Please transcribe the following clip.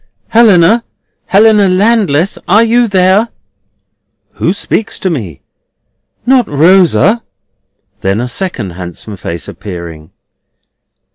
"Helena! Helena Landless! Are you there?" "Who speaks to me? Not Rosa?" Then a second handsome face appearing.